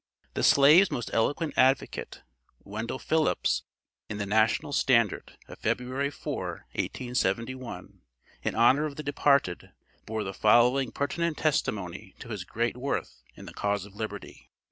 The Slave's most eloquent advocate, Wendell Phillips, in the "National Standard," of February 4, 1871, in honor of the departed, bore the following pertinent testimony to his great worth in the cause of Liberty.